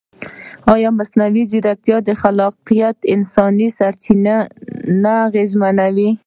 ایا مصنوعي ځیرکتیا د خلاقیت انساني سرچینه نه اغېزمنوي؟